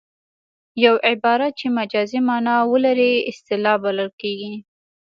یو عبارت چې مجازي مانا ولري اصطلاح بلل کیږي